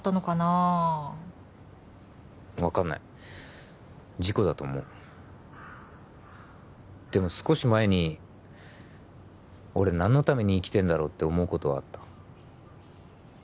あ分かんない事故だと思うでも少し前に俺何のために生きてんだろう？って思うことはあった